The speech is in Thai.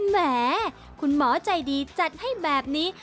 แหมคุณหมอใจดีจัดให้แบบนี้